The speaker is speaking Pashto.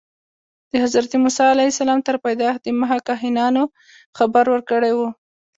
د حضرت موسی علیه السلام تر پیدایښت دمخه کاهنانو خبر ورکړی و.